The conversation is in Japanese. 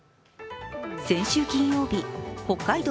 先週金曜日北海道